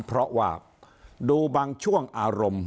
เพราะว่าดูบางช่วงอารมณ์